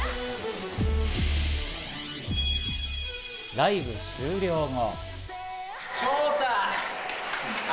ライブ終了後。